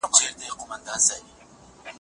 کوټه اوس د یوې معنوي خلوتګاه په څېر سپېڅلې وه.